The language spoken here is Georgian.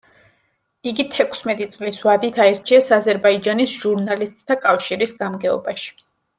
იგი თექვსმეტი წლის ვადით აირჩიეს აზერბაიჯანის ჟურნალისტთა კავშირის გამგეობაში.